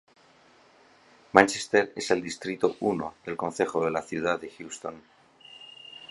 Manchester es en el Distrito I del Concejo de la Ciudad de Houston.